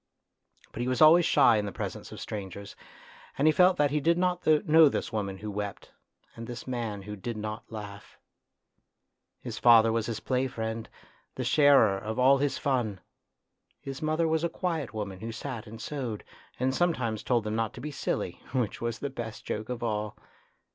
But he was always shy in the presence of strangers, and he felt that he did not know this woman who wept and this man who did not laugh. His father was his play friend, the sharer of all his fun ; his mother was a quiet woman who sat and sewed, and sometimes told them not to be silly, which was the best joke of all.